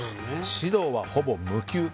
指導はほぼ無給。